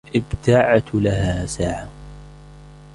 ابتعتُ لها ساعة.